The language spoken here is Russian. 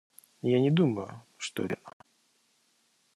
Я не думаю, что это верно.